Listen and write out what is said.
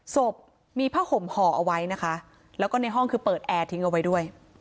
ศพมีผ้าห่มห่อเอาไว้นะคะแล้วก็ในห้องคือเปิดแอร์ทิ้งเอาไว้ด้วย